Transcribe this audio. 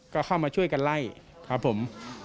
ก็เข้ามาช่วยกันไล่ครับผม